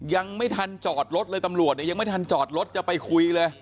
ยังไม่ทันจอดรถเลยตำรวจเนี่ยยังไม่ทันจอดรถจะไปคุยเลย